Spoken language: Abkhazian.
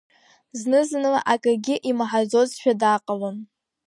Зны-зынла акагьы имаҳаӡозшәа дааҟалон.